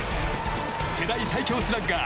世代最強スラッガー